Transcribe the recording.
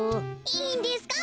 いいんですか？